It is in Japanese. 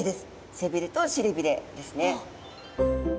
背びれとしりびれですね。